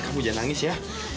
kamu jangan nangis ya